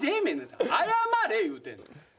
謝れ言うてんねん！